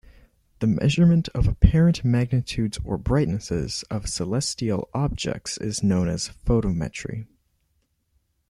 The measurement of apparent magnitudes or brightnesses of celestial objects is known as photometry.